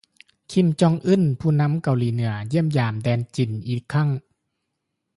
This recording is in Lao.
ຄີມ ຈອງ ອືນ ຜູ້ນໍາເກົາຫຼີເໜືອ ຢ້ຽມຢາມແດນຈີນ ອີກຄັ້ງ!